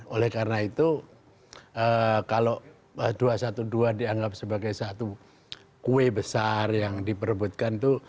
oleh karena itu kalau dua ratus dua belas dianggap sebagai satu kue besar yang diperebutkan itu